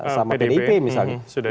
sudah diarahkan sama ganjar